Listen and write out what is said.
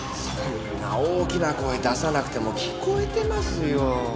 そんな大きな声出さなくても聞こえてますよ。